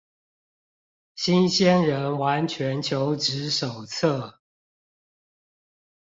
新鮮人完全求職手冊